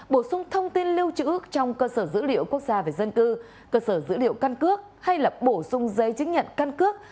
bổ sung thông tin lưu trữ trong cơ sở dữ liệu quốc gia về dân cư cơ sở dữ liệu căn cước hay là bổ sung giấy chứng nhận căn cước